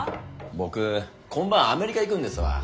僕今晩アメリカ行くんですわ。